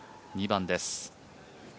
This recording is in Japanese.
２番です。